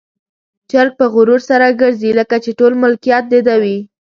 چرګ په غرور سره ګرځي، لکه چې ټول ملکيت د ده وي.